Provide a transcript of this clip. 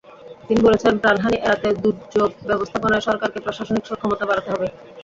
তিনি বলেছেন, প্রাণহানি এড়াতে দুর্যোগ ব্যবস্থাপনায় সরকারকে প্রশাসনিক সক্ষমতা বাড়াতে হবে।